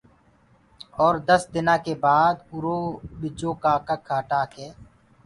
اور دس دنآ ڪي بآد اُرو ٻجو ڪآ ڪک هٽآ ڪي